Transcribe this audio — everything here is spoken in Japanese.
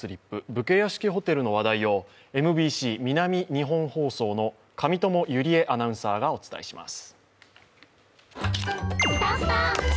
武家屋敷ホテルの話題をＭＢＣ南日本放送の上塘百合恵アナウンサーがお伝えします。